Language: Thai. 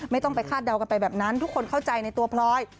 ไม่ต้องไปคาดเดากันไปแบบนั้นทุกคนเข้าใจในตัวพลอย